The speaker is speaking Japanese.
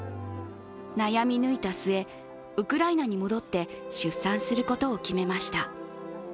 悩み抜いた末、ウクライナに戻って出産することを決めました。